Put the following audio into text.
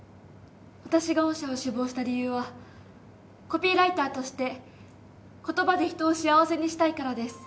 私が御社を志望した理由はコピーライターとして言葉で人を幸せにしたいからです。